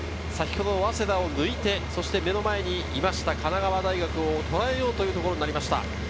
先ほど早稲田を抜いて目の前にいました神奈川大学を捉えようというところになりました。